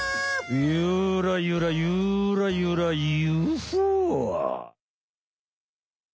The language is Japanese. ゆらゆらゆらゆらゆふぉ！